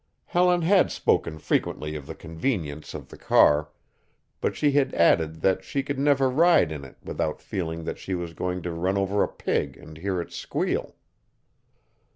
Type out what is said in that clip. Helen had spoken frequently of the convenience of the car, but she had added that she could never ride in it without feeling that she was going to run over a pig and hear it squeal.